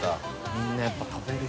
みんなやっぱ食べる。